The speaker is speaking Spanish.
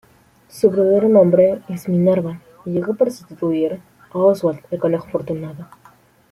Su verdadero nombre es Minerva y llegó para sustituir a Oswald el Conejo Afortunado.